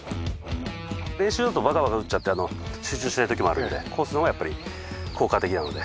練習だとバタバタ打っちゃって集中してないときもあるのでコースのがやっぱり効果的なので。